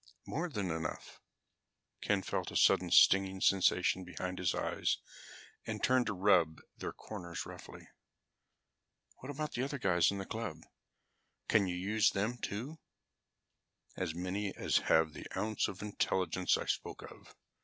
"More than enough." Ken felt a sudden stinging sensation behind his eyes and turned to rub their corners roughly. "What about the other fellows in the club? Can you use them, too?" "As many as have the ounce of intelligence I spoke of.